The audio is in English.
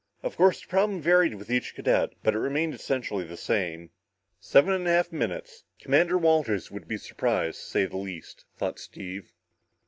Of course the problem varied with each cadet, but it remained essentially the same. "Seven and a half minutes. Commander Walters will be surprised, to say the least," thought Steve.